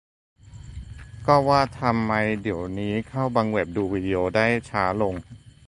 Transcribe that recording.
- ก็ว่าทำไมเดี๋ยวนี้เข้าบางเว็บ ดูวีดีโอได้ช้าลง